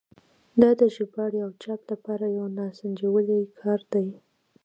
دا د ژباړې او چاپ لپاره یو ناسنجولی کار دی.